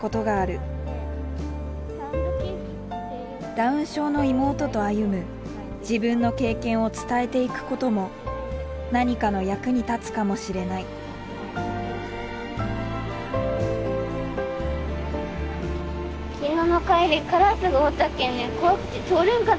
ダウン症の妹と歩む自分の経験を伝えていくことも何かの役に立つかもしれないほんと？